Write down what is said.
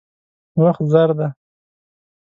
وخت زر دی.